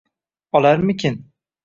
Olarmikin